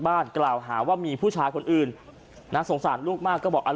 กล่าวหาว่ามีผู้ชายคนอื่นนะสงสารลูกมากก็บอกอัน